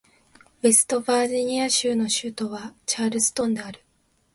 ウェストバージニア州の州都はチャールストンである